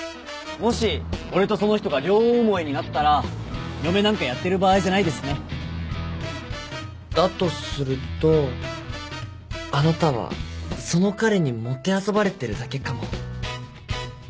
もし俺とその人が両思いになったら嫁なんかやってる場合じゃないですねだとするとあなたはその彼にもてあそばれてるだけかも。